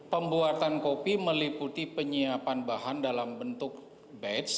pembuatan kopi meliputi penyiapan bahan dalam bentuk batch